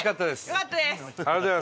よかったです。